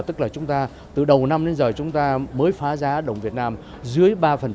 tức là chúng ta từ đầu năm đến giờ mới phá giá đồng việt nam dưới ba